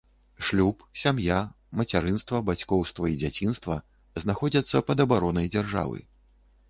Шлюб, сям’я, мацярынства, бацькоўства і дзяцінства знаходзяцца пад абаронай дзяржавы.